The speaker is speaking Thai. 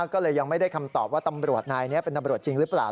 ก็เลยยังไม่ได้คำตอบว่าตำรวจนายนี้เป็นตำรวจจริงหรือเปล่า